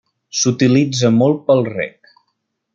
S'utilitza molt pel reg.